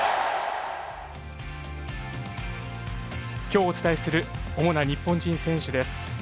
今日お伝えする主な日本人選手です。